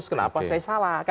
kenapa saya salah